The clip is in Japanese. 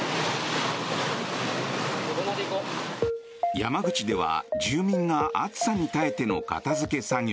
山口では住民が暑さに耐えての片付け作業。